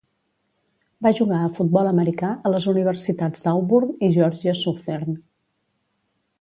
Va jugar a futbol americà a les universitats d'Auburn i Georgia Southern.